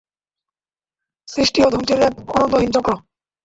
সৃষ্টি ও ধ্বংসের এক অন্তহীন চক্র।